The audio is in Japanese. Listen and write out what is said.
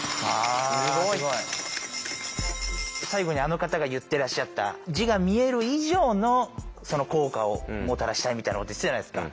最後にあの方が言ってらっしゃった「字が見える以上の効果をもたらしたい」みたいなこと言ってたじゃないですか。